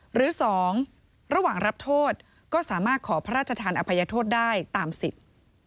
หรือ๒ระหว่างรับโทษก็สามารถขอพระราชทานอภัยโทษได้ตามสิทธิ์